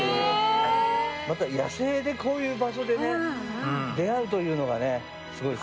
野生でこういう場所で出会うというのがすごいですね。